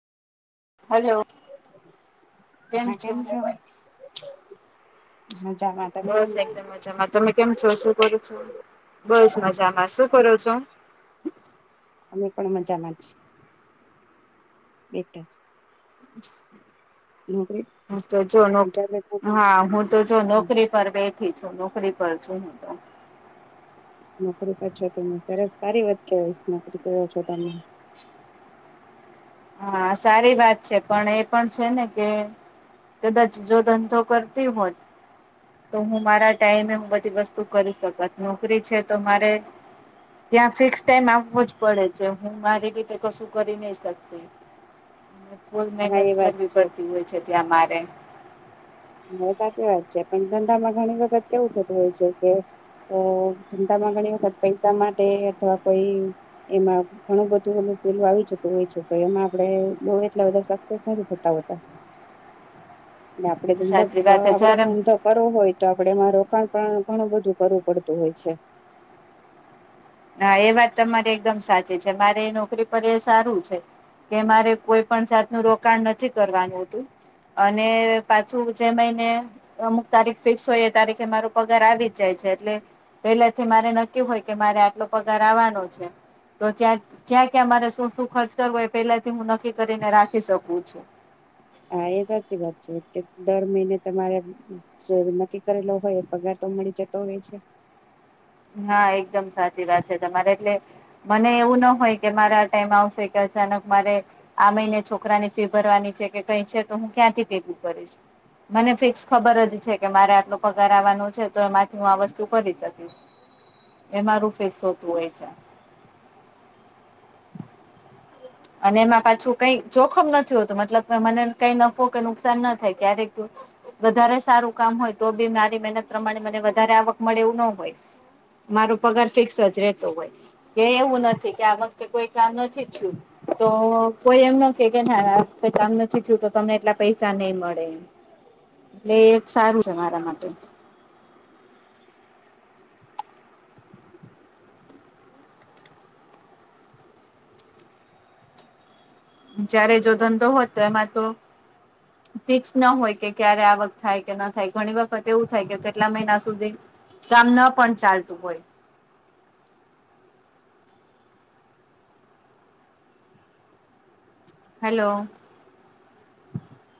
Hello. હા કેમ છો? હા. બસ એકદમ મજામાં, તમે કેમ છો શું કરો છો? બસ મજામાં શું કરો છો? અમે પણ મજામાં છે. બેઠા. નોકરી હ તો જો નોક, હા હું તો જો નોકરી પર બેઠી છું, નોકરી પર છું હું તો. નોકરી પર છો તમે, ત્યારે સારી વાત કે નોકરી કર છો તમે. હા સારી વાત છે પણ એ પણ છે ને કે કદાચ જો ધંધો કરતી હોત તો હું મારા ટાઈમે હું બધી વસ્તુ કરી શકત, નોકરી છે તો મારે ત્યાં ફિક્સ ટાઈમ આવવો જ પડે છે. હું મારી રીતે કશું કરી નહી શક તી. ને બઉ જ હા મહેનત એ વાત કરવી છે પડતી હોય છે ત્યાં મારે. હા સાચી વાત છે. પણ ધંધા માં ઘણી વખત કેવું થતું હોય છે કે તો ધંધામાં ઘણી વખત પૈસા માટે અથવા કોઈ એમાં ઘણું બધું ઓ પેલું આવી જતું હોય છે તો એમાં આપડે બો એટલા બધા સક્સેસ નથી થતા હોતા. એટલે ધંધા સાચી વાત અહ છે આપડો જયારે ધંધો કરવો હોય તો આપડે એમાં રોકાણ પણ ઘણું બધું કરવું પડતું હોય છે. હા એ વાત તમારી એકદમ સાચી છે, મારે એ નોકરી પર એ સારું છે. કે મારે કોઈ પણ જાત નું રોકાણ નથી કરવાનું હોતું. અને પાછું જે મહિને અમુક તારીખ ફિક્સ હોય એ તારીખે મારો પગાર આવી જ જાય છે. એટલે પેલાથી મારે નકકી હોય કે મારે આટલો પગાર આવવાનો છે. તો ત્યાં ક્યાં ક્યાં મારે શું શું ખર્ચ કરવો એ પેલાથી હું નક્કી કરીને રાખી શકું છું. હા એ સાચી વાત છે કે દર મહિને તમારે, જે નક્કી કરેલો હોય તે પગાર તો મળી જતો હોય છે, હા એકદમ સાચી વાત છે તમારે એટલે, મને એવું ન હોય કે મારે આ ટાઇમ આવશે ને અચાનક મારે, આ મહિને છોકરાની ફી ભરવાની કે કઈ છે તો હું ક્યાંથી ભેગું કરીશ, મને ફિક્સ ખબરજ છે કે મારે આટલો પગાર આવવાનો છે તો હું આમાંથી આટલું કરી શકીશ, એ મારું ફિક્સ હોતું હોય છે, અને એમાં પાછું કંઈક જોખમ નથી હોતું મતલબ એટલે નફો કે નુકસાન ન થાય ક્યારેય, વધારો સારું કામ હોય તો બી મારી મહેનત પ્રમાણે મને વધારે આવક મળે એવું ન હોય, મારો પગાર ફિક્સ જ રેતો હોય, કે એવું નથી કે આ વખતે કોઈ કામ નથી થયું, તો કોઈ એમ ન કે કે ના કંઇ કામ નથી થયું તો તમને એટલા પૈસા નહી મળે. એમ, એટલે એ સારૂ છે મારા માટે, જ્યારે જો ધંધો હોત તો એમાં તો, [unintelligible] ફિક્સ ના હોય કે ક્યારે આવક થાય કે ન થાય ઘણી વખત એવું થાય કે કેટલા મહિના સુધી., કામ ન પણ ચાલતું હોય, હલ્લો,